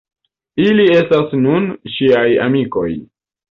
Ili estas nun ŝiaj amikoj.